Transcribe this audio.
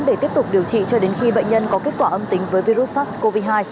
để tiếp tục điều trị cho đến khi bệnh nhân có kết quả âm tính với virus sars cov hai